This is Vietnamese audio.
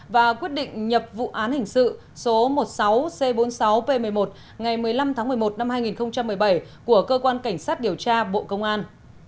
và quyết định nhập vụ án hình sự số một mươi sáu c bốn mươi sáu p một mươi một ngày một mươi năm tháng một mươi một năm hai nghìn một mươi bảy của cơ quan cảnh sát điều tra bộ công an